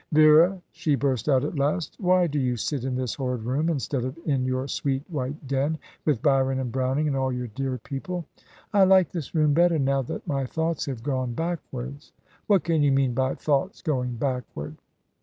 "Vera," she burst out at last, "why do you sit in this horrid room instead of in your sweet white den, with Byron and Browning and all your dear people?" "I like this room better, now that my thoughts have gone backward." "What can you mean by thoughts going backward?"